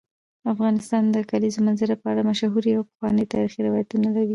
افغانستان د کلیزو منظره په اړه مشهور او پخواي تاریخی روایتونه لري.